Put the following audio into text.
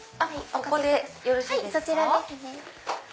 ここでよろしいですか。